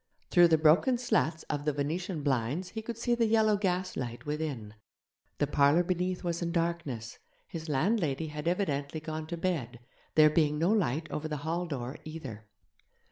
Through the broken slats of the Venetian blinds he could see the yellow gaslight within. The parlour beneath was in darkness; his landlady had evidently gone to bed, there being no light over the hall door either.